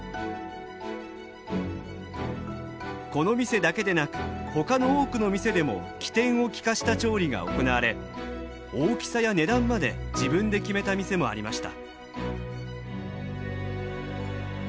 この店だけでなく他の多くの店でも機転を利かした調理が行われ大きさや値段まで自分で決めた店もありました。